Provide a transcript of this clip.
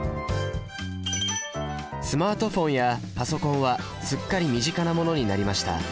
スマートフォンやパソコンはすっかり身近なものになりました。